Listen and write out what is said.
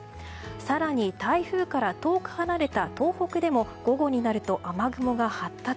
更に台風から遠く離れた東北でも午後になると雨雲が発達。